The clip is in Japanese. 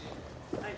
はい。